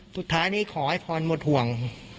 สุดท้ายนี่ขอให้พรหมดห่วง